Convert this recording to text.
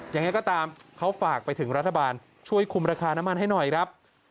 ยังไงก็ตามเขาฝากไปถึงรัฐบาลช่วยคุมราคาน้ำมันให้หน่อยครับ